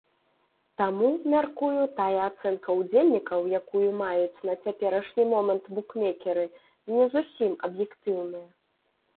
Таму, мяркую, тая ацэнка ўдзельнікаў, якую маюць на цяперашні момант букмекеры, не зусім аб'ектыўная.